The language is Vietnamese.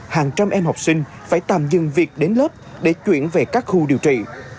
hàng trăm em học sinh phải tạm dừng việc đến lớp để chuyển về các khu điều trị